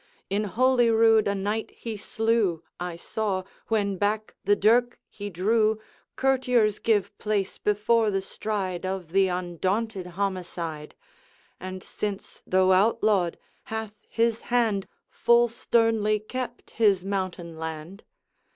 In Holy Rood a knight he slew; I saw, when back the dirk he drew, Courtiers give place before the stride Of the undaunted homicide; And since, though outlawed, hath his hand Full sternly kept his mountain land.